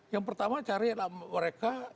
yang pertama cari mereka